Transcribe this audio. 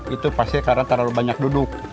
itu pasti karena terlalu banyak duduk